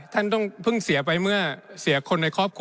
ท่านต้องเพิ่งเสียไปเมื่อเสียคนในครอบครัว